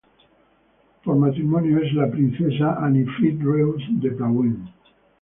Por matrimonio es la princesa Anni-Frid Reuss de Plauen.